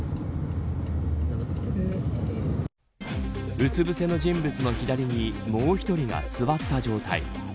うつぶせの人物の左にもう１人が座った状態。